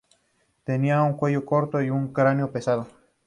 Tenía un cuello corto y un cráneo pesado.